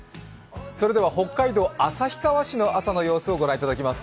北海道旭川市の朝の様子を御覧いただきます。